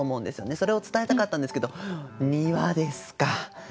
それを伝えたかったんですけど「庭」ですかすてきです。